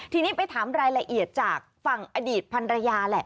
ทีนี้ไปถามรายละเอียดจากฝั่งอดีตพันรยาแหละ